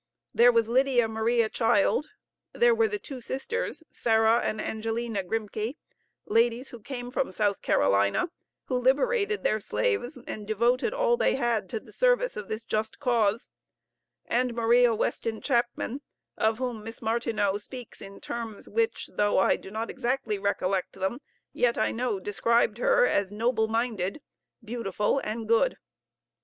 There was Lydia Maria Child; there were the two sisters, Sarah and Angelina Grimke, ladies who came from South Carolina, who liberated their slaves, and devoted all they had to the service of this just cause; and Maria Weston Chapman, of whom Miss Martineau speaks in terms which, though I do not exactly recollect them, yet I know described her as noble minded, beautiful and good.